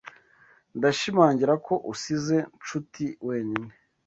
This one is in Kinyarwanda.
Ndashimangira ko usize Nshuti wenyine.